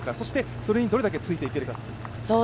それにどれだけついて行けるか。